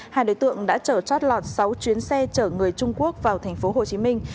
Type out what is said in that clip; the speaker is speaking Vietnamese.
hai đối tượng đã chở chót lọt sáu chuyến xe chở người trung quốc vào thành phố hồ chí minh